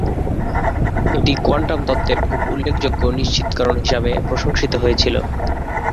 এটি কোয়ান্টাম তত্ত্বের খুব উল্লেখযোগ্য নিশ্চিতকরণ হিসাবে প্রশংসিত হয়েছিল।